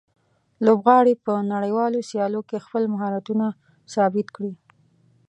لوبغاړي په نړیوالو سیالیو کې خپل مهارتونه ثابت کړي.